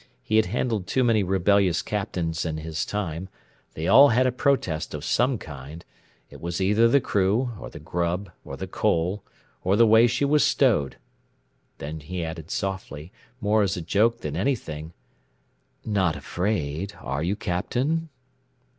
He had handled too many rebellious captains in his time; they all had a protest of some kind it was either the crew, or the grub, or the coal, or the way she was stowed. Then he added softly, more as a joke than anything else: "Not afraid, are you, Captain?"